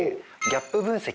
ギャップ分析？